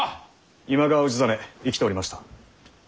今川氏真生きておりました。